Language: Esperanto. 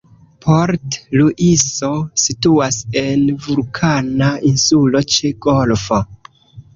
Port-Luiso situas en vulkana insulo ĉe golfo.